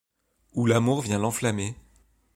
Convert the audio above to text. Où l’amour vient l’enflammer ;